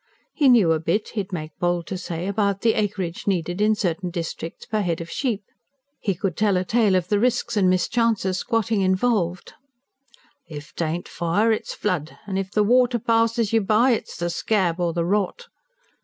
He knew a bit, he'd make bold to say, about the acreage needed in certain districts per head of sheep; he could tell a tale of the risks and mischances squatting involved: "If t'aint fire it's flood, an' if the water passes you by it's the scab or the rot."